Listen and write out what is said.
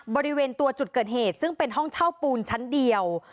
บริเวณตัวจุดเกิดเหตุซึ่งเป็นห้องเช่าปูนชั้นเดียว